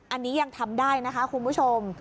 อันนี้ยังทำได้นะคะคุณผู้ชม